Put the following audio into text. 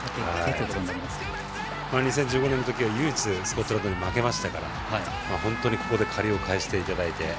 ２０１５年のときは唯一スコットランドに負けましたから本当にここで借りを返していただいて。